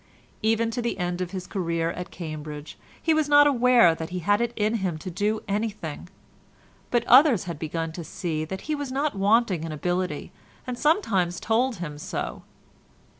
Even to the end of his career at Cambridge he was not aware that he had it in him to do anything, but others had begun to see that he was not wanting in ability and sometimes told him so.